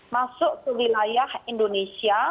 masuk ke wilayah indonesia